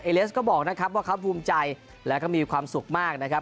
เลสก็บอกนะครับว่าเขาภูมิใจแล้วก็มีความสุขมากนะครับ